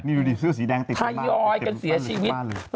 นี่ดูสิเสื้อสีแดงติดไปบ้านติดไปบ้านหรือที่บ้านเลยถ่ายยอยกันเสียชีวิต